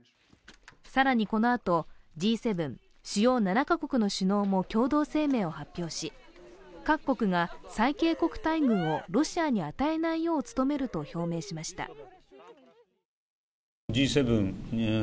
更にこのあと、Ｇ７＝主要７カ国の首脳も共同声明を発表し、各国が最恵国待遇をロシアに与えないよう努めると表明しました。